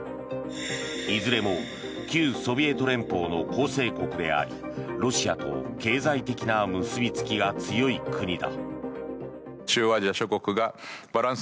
いずれも旧ソビエト連邦の構成国でありロシアと経済的な結びつきが強い国だ。